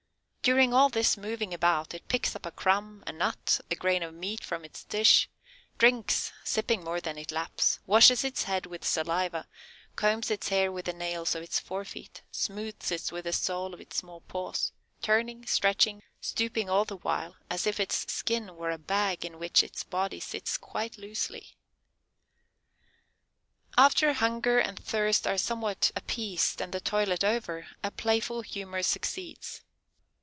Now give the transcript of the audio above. During all this moving about it picks up a crumb, a nut, a grain of meat from its dish; drinks, sipping more than it laps, washes its head with saliva, combs its hair with the nails of its fore feet, smooths it with the soles of its small paws, turning, stretching, stooping all the while, as if its skin were a bag in which its body sits quite loosely. After hunger and thirst are somewhat appeased, and the toilet over, a playful humor succeeds.